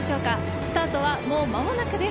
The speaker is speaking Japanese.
スタートはもう間もなくです。